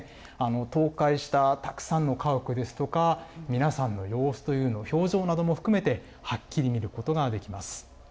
倒壊したたくさんの家屋ですとか、皆さんの様子というのを、表情なども含めてはっきり見ることができます。